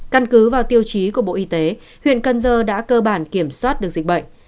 căn cứ vào tiêu chí của bộ y tế huyện cần giờ đã cơ bản kiểm soát được dịch bệnh